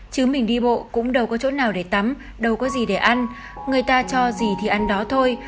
chứ mình đi bộ cũng đâu có chỗ nào để tắm đâu có gì để ăn người ta cho gì thì ăn đó thôi